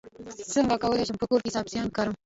څنګه کولی شم په کور کې سبزیان کرم